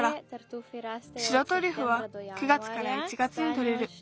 白トリュフは９月から１月にとれる。